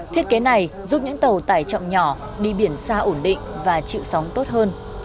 thiết kế này giúp những tàu tải trọng nhỏ đi biển xa ổn định và chịu sóng tốt hơn